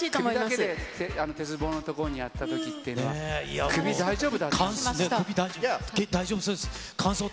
首だけで鉄棒のとこにやったときっていうのは、大丈夫そうです。